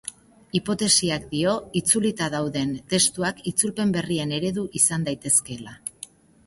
Hipotesiak dio, itzulita dauden testuak itzulpen berrien eredu izan daitezkeela.